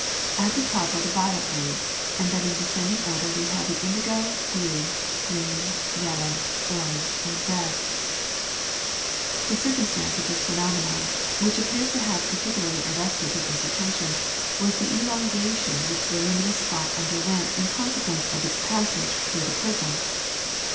At the top are the violet rays, and then in descending order we have the indigo, blue, green, yellow, orange, and red. The circumstance in this phenomenon which appears to have particularly arrested Newton's attention, was the elongation which the luminous spot underwent in consequence of its passage through the prism.